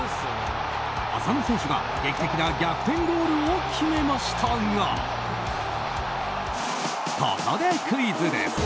浅野選手が劇的な逆転ゴールを決めましたがここでクイズです。